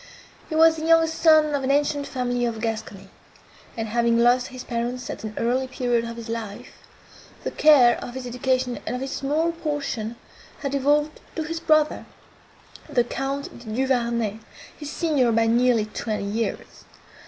He was the younger son of an ancient family of Gascony; and, having lost his parents at an early period of his life, the care of his education and of his small portion had devolved to his brother, the Count de Duvarney, his senior by nearly twenty years.